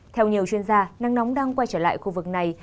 theo nhiều chuyên gia nắng nóng đang quay trở lại khu vực này